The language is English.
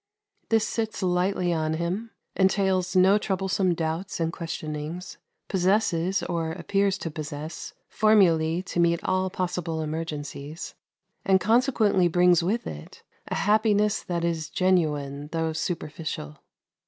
This sits lightly on him; entails no troublesome doubts and questionings; possesses, or appears to possess, formulae to meet all possible emergencies, and consequently brings with it a happiness that is genuine, though superficial.